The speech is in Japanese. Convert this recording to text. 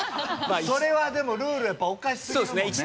それはでもルールやっぱおかし過ぎるもんね。